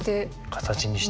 形にして。